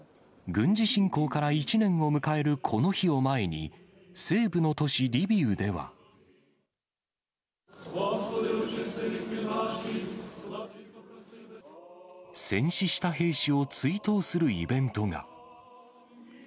軍事侵攻から１年を迎えるこの日を前に、西部の都市リビウでは。戦死した兵士を追悼するイベントが。